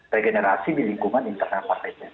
regenerasi lingkungan internasional partai